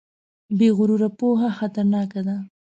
بې غروره پوهه خطرناکه ده.